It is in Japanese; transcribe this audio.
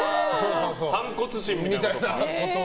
反骨心みたいな？